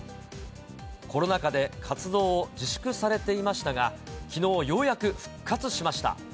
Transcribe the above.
コロナ禍で活動を自粛されていましたが、きのう、ようやく復活しました。